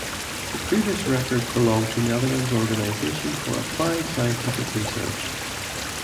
The previous record belonged to Netherlands Organisation for Applied Scientific Research.